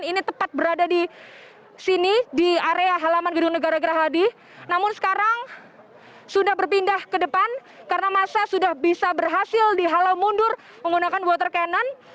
ini tepat berada di sini di area halaman gedung negara gerahadi namun sekarang sudah berpindah ke depan karena masa sudah bisa berhasil dihalau mundur menggunakan water cannon